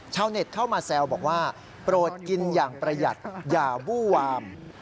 ชาวเน็ตเข้ามาแซวบอกว่าโปรดกินอย่างประหยัดอย่าบู้วาม